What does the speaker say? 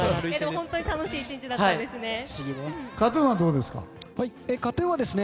本当に楽しい１日だったんですね。